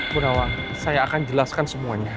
bu nawang saya akan jelaskan semuanya